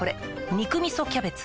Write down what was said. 「肉みそキャベツ」